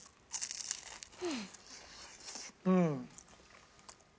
うん。